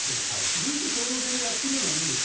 ずっと兵糧攻めやってるようなもんです。